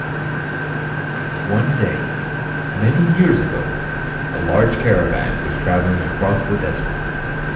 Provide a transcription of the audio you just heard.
One day, many years ago, a large caravan was traveling across the desert.